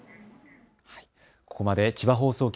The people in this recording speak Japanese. ここまで千葉放送局